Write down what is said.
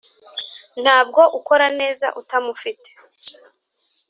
ntabwo ukora neza utamufite